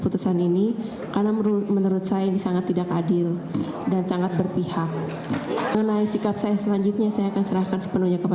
terima kasih yang mulia